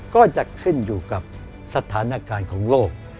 ก็จะขึ้นอยู่กับสถานการณ์ของโลก